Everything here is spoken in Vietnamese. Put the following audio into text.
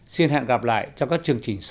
xin hẹn gặp lại trong các chương trình sau